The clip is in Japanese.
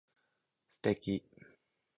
素敵